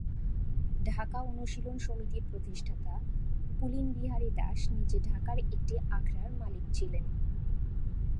ঢাকা অনুশীলন সমিতি-র প্রতিষ্ঠাতা পুলিনবিহারী দাস নিজে ঢাকার একটি আখড়ার মালিক ছিলেন।